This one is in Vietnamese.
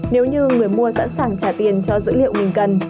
nếu như người mua sẵn sàng trả tiền cho dữ liệu mình cần